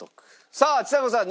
さあちさ子さん